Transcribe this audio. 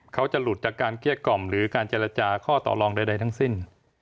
เขาจะหลุดจากการเกลี้ยกล่อมหรือการเจรจาข้อต่อรองใดทั้งสิ้น